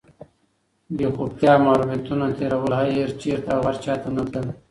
بېخوبتیا، محرومیتونه تېرول، هېر چېرته او هر چاته نه تلل،